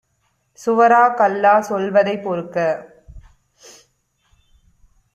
சுவரா கல்லா சொல்வதைப் பொறுக்க